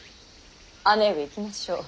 姉上行きましょう。